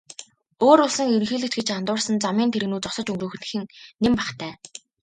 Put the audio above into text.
Өөр улсын ерөнхийлөгч гэж андуурсан замын тэрэгнүүд зогсож өнгөрөөх нь нэн бахтай.